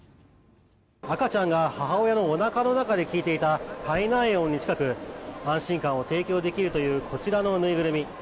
赤ちゃんが母親のおなかの中で聞いていた胎内音に近く安心感を提供できるというこちらの縫いぐるみ。